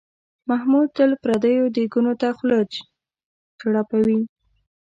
محمود تل پردیو دیګونو ته خوله چړپوي.